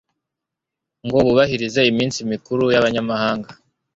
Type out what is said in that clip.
ngo bubahirize iminsi mikuru y'abanyamahanga.